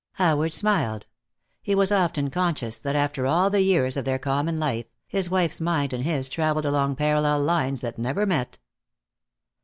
Howard smiled. He was often conscious that after all the years of their common life, his wife's mind and his traveled along parallel lines that never met.